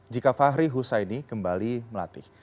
jika fahri husaini kembali melatih